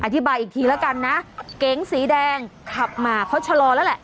อธิบายอีกทีแล้วกันนะเก๋งสีแดงขับมาเขาชะลอแล้วแหละ